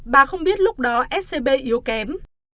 bà không biết lúc đó scb yếu kém